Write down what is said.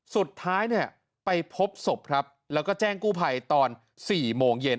สุดท้ายเนี่ยไปพบศพครับแล้วก็แจ้งกู้ภัยตอน๔โมงเย็น